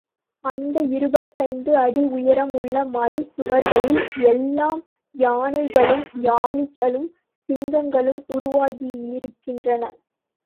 அந்த இருபத்தைந்து அடி உயரம் உள்ள மலைச் சுவர்களில் எல்லாம் யானைகளும் யாளிகளும், சிங்கங்களும் உருவாகியிருக்கின்றன.